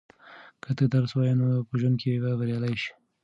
که ته درس ووایې نو په ژوند کې به بریالی شې.